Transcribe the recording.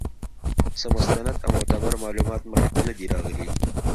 څۀ مستند او معتبر معلومات مخې ته نۀ دي راغلي